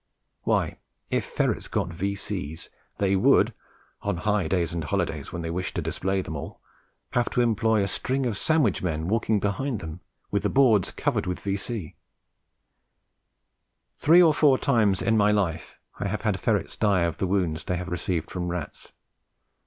Why, if ferrets got V.C.'s, they would, on high days and holidays when they wished to display them all, have to employ a string of sandwich men walking behind them with the boards covered with V.C. Three or four times in my life I have had ferrets die of the wounds they have received from rats.